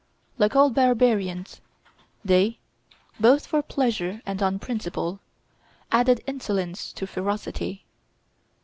Like all barbarians, they, both for pleasure and on principle, added insolence to ferocity.